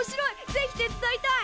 ぜひ手伝いたい！